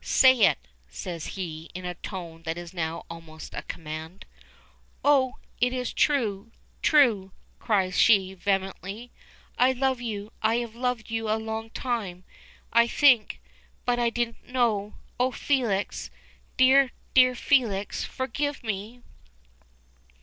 "Say it!" says he, in a tone that is now almost a command. "Oh! it is true true!" cries she, vehemently. "I love you; I have loved you a long time, I think, but I didn't know it. Oh, Felix! Dear, dear Felix, forgive me!"